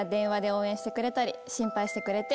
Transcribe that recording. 応援してくれたり心配してくれて